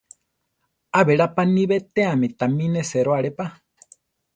Á berá paní betéame tami nesero aré pa.